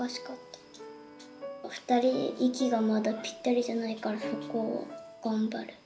２人息がまだぴったりじゃないからそこを頑張る。